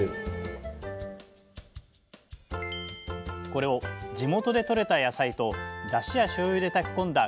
これを地元でとれた野菜とダシやしょうゆで炊き込んだ